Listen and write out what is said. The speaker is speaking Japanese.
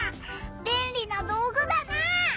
べんりな道ぐだな！